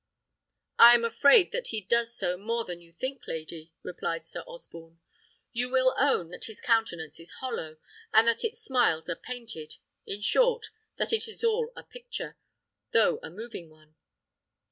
"I am afraid that he does so more than you think, lady," replied Sir Osborne. "You will own that his countenance is hollow, and that its smiles are painted: in short, that it is all a picture, though a moving one."